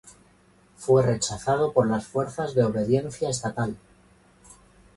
Fue rechazado por las fuerzas de obediencia estatal.